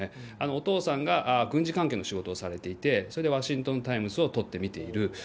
お父さんが軍事関係の仕事をされていて、それでワシントン・タイムズをとって見ている。